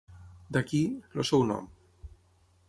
D'aquí, el seu nom.